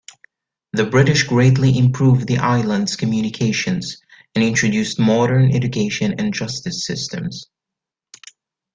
The British greatly improved the islands' communications, and introduced modern education and justice systems.